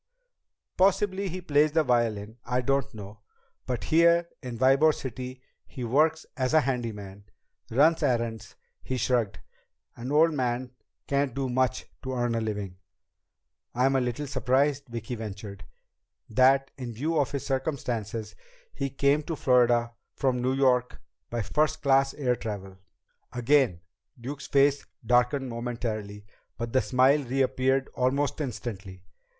"Possibly he plays the violin. I don't know. But here in Ybor City he works as a handyman. Runs errands." He shrugged. "An old man can't do much to earn a living." "I'm a little surprised," Vicki ventured, "that, in view of his circumstances, he came to Florida from New York by first class air travel." Again Duke's face darkened momentarily, but the smile reappeared almost instantly.